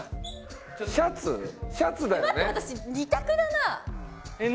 シャツ？シャツだよね？